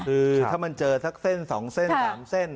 คือถ้ามันเจอสักเส้น๒เส้น๓เส้น